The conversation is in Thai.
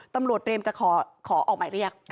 ตำรวจเร็มจะขอออกมาเรียก